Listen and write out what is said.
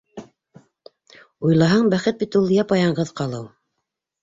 Уйлаһаң, бәхет бит ул япа-яңғыҙ ҡалыу...